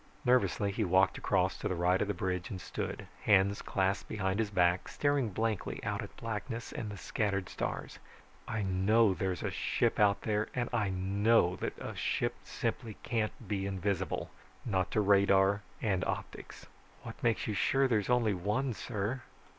Nervously, he walked across to the right of the bridge and stood, hands clasped behind his back, staring blankly out at blackness and the scattered stars. "I know there is a ship out there, and I know that a ship simply can't be invisible, not to radar and optics." "What makes you sure there is only one, sir?"